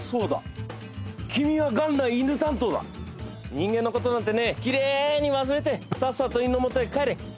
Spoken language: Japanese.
人間の事なんてねきれいに忘れてさっさと犬のもとへ帰れ！